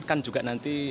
kan juga nanti